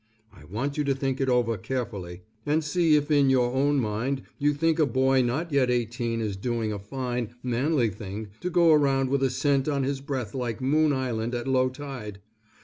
I want you to think it over carefully, and see if in your own mind you think a boy not yet eighteen is doing a fine, manly thing to go around with a scent on his breath like Moon Island at low tide.